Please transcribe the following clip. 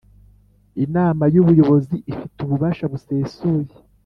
Inama y Ubuyobozi ifite ububasha busesuye